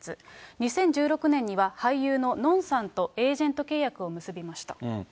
２０１６年には、俳優ののんさんとエージェント契約を結びました。